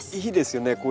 いいですよね。